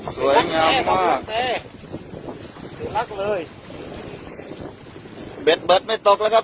สวยงามมากพลังเต้ลุยลักษณ์เลยเบ็ดเบิดไม่ตกแล้วครับ